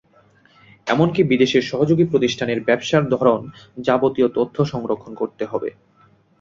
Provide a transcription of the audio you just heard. এমনকি বিদেশের সহযোগী প্রতিষ্ঠানের ব্যবসার ধরনসহ যাবতীয় তথ্য সংরক্ষণ করতে হবে।